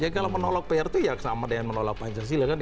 kalau menolak prp itu ya sama dengan menolak pancasila